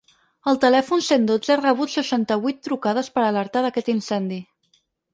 El telèfon cent dotze ha rebut seixanta-vuit trucades per alertar d’aquest incendi.